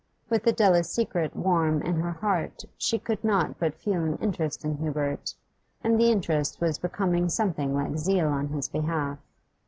With Adela's secret warm in her heart she could not but feel an interest in Hubert, and the interest was becoming something like zeal on his behalf.